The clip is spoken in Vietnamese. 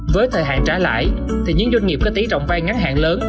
với thời hạn trả lãi thì những doanh nghiệp có tí rộng vay ngắn hạn lớn